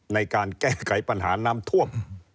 ในการแก้ไขปัญหาน้ำท่วม